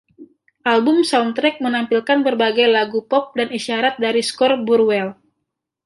Album soundtrack menampilkan berbagai lagu pop dan isyarat dari skor Burwell.